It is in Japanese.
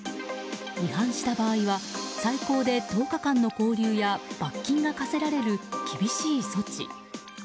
違反した場合は最高で１０日間の拘留や罰金が科せられる厳しい措置。